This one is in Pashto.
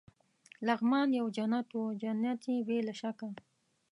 لغمان یو جنت وو، جنت يې بې له شکه.